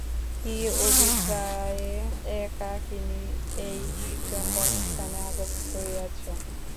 কী অভিপ্রায়ে একাকিনী এই নির্জন বনস্থানে আগমন করিয়াছ?